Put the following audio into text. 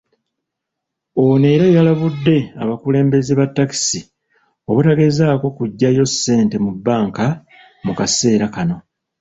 Ono era yalabudde abakulembeze ba takisi obutagezaako kuggyayo ssente mu banka mu kaseera kano.